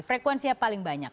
frekuensinya paling banyak